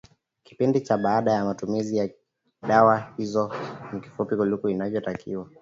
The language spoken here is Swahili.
kipindi cha baada ya matumizi ya dawa hizo ni kifupi kuliko inavyotakiwa